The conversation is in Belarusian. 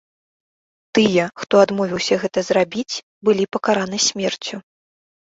Тыя, хто адмовіўся гэта зрабіць, былі пакараны смерцю.